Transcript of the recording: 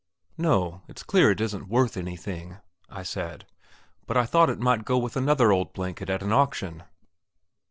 "No, it's clear it isn't worth anything," I said; "but I thought it might go with another old blanket at an auction."